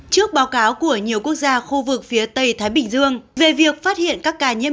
trước báo cáo của nhiều quốc gia khu vực phía tây thái bình dương về việc phát hiện các ca nhiễm